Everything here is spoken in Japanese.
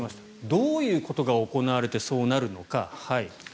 どういうことが行われてそうなるのか。